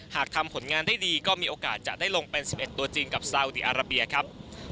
หากทำผลงานได้ดีก็มีโอกาสจะได้ลงเป็น๑๑ตัวจริงกับซาอุดีอาราเบียครับ